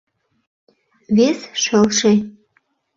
Вес шылше.